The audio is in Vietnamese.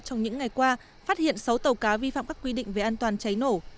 trong những ngày qua phát hiện sáu tàu cá vi phạm các quy định về an toàn cháy nổ